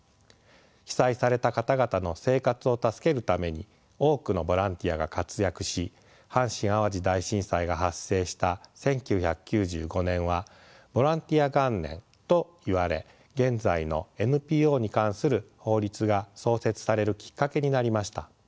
被災された方々の生活を助けるために多くのボランティアが活躍し阪神・淡路大震災が発生した１９９５年はボランティア元年といわれ現在のＮＰＯに関する法律が創設されるきっかけになりました。